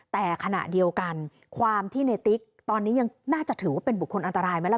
แต่ขณะเดียวกันความที่ในติ๊กตอนนี้ยังน่าจะถือว่าเป็นบุคคลอันตรายไหมล่ะ